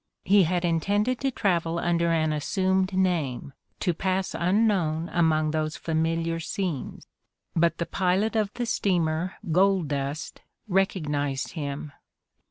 He had intended to travel under an assumed name, to pass unknown among those familiar scenes, but the pilot of the steamer Gold Dust recognizedi him.